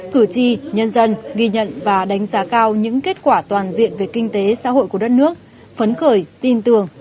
cử tri nhân dân ghi nhận và đánh giá cao những kết quả toàn diện về kinh tế xã hội của đất nước phấn khởi tin tưởng